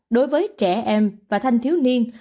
đối với trẻ em và thanh thiếu niên